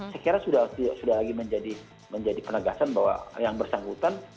saya kira sudah lagi menjadi penegasan bahwa yang bersangkutan